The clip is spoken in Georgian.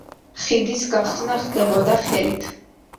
ხიდის გახსნა ხდებოდა ხელით.